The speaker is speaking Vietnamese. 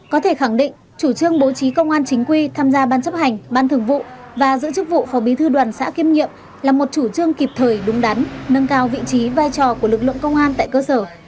có thể khẳng định chủ trương bố trí công an chính quy tham gia ban chấp hành ban thường vụ và giữ chức vụ phó bí thư đoàn xã kiêm nhiệm là một chủ trương kịp thời đúng đắn nâng cao vị trí vai trò của lực lượng công an tại cơ sở